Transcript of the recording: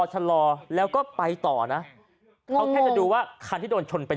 ชะลอแล้วก็ไปต่อนะเขาแค่จะดูว่าคันที่โดนชนเป็น